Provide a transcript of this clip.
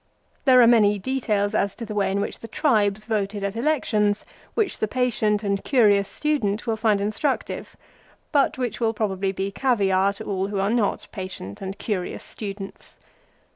There are many details as to the way in which the tribes voted at elections which the patient and curious student will find instructive, but which will probably be caviare to all who are not patient and curious students.